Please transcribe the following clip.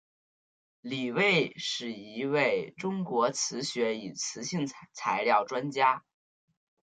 李卫是一位中国磁学与磁性材料专家。